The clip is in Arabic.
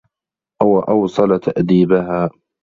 وَأَوْصَلَ تَأْدِيبَهَا